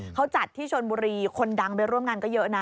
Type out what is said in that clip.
เขาจัดที่ชนบุรีคนดังไปร่วมงานก็เยอะนะ